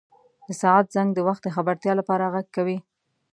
• د ساعت زنګ د وخت د خبرتیا لپاره ږغ کوي.